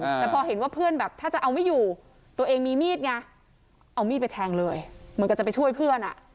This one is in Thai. แต่พอเห็นว่าเพื่อนแบบถ้าจะเอาไม่อยู่ตัวเองมีมีดไงเอามีดไปแทงเลยเหมือนกับจะไปช่วยเพื่อนอ่ะ